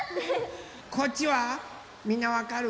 こっちはみんなわかる？